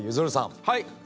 はい。